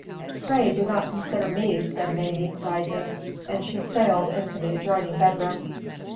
"Pray do not consider me," said Mamie, rising, and she sailed into the adjoining bedroom.